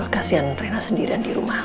kasian rena sendirian di rumah